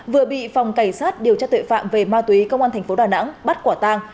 vừa bị phòng cảnh sát điều tra tuệ phạm về ma túy công an tp đà nẵng bắt quả tang